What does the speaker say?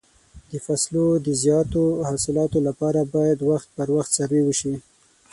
د فصلو د زیاتو حاصلاتو لپاره باید وخت پر وخت سروې وشي.